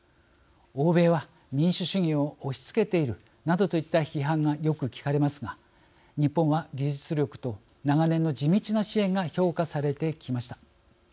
欧米は民主主義を押しつけているなどといった批判が、よく聞かれますが日本は技術力と長年の地道な支援が評価されてきました。